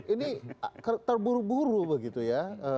ini terburu buru begitu ya